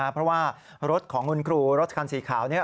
เพราะว่ารถของคุณครูรถคันสีขาวนี้